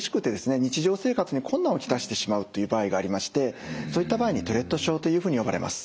日常生活に困難を来してしまうという場合がありましてそういった場合にトゥレット症というふうに呼ばれます。